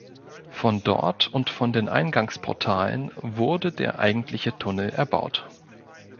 Von dort und von den Eingangsportalen wurde der eigentliche Tunnel erbaut.